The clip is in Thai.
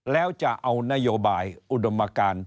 แล้วจะเอานโยบายอุดมการ